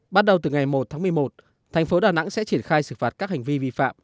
bắt đầu từ ngày một tháng một mươi một thành phố đà nẵng sẽ triển khai xử phạt các hành vi vi phạm